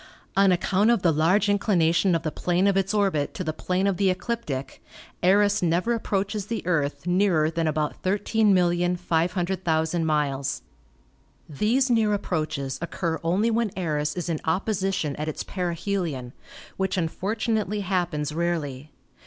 On account of the large inclination of the plane of its orbit to the plane of the ecliptic Eros never approaches the Earth nearer than about 13,500,000 miles. These near approaches occur only when Eros is in op position at its perihelion, which unfortunately happens rarely.